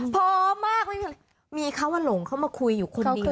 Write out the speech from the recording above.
พร้อมมากไม่มีเขามาหลงเขามาคุยอยู่คนเดียว